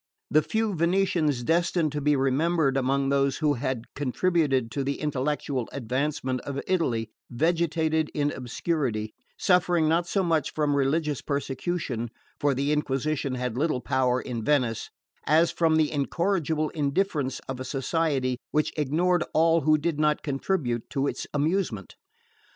The few Venetians destined to be remembered among those who had contributed to the intellectual advancement of Italy vegetated in obscurity, suffering not so much from religious persecution for the Inquisition had little power in Venice as from the incorrigible indifference of a society which ignored all who did not contribute to its amusement.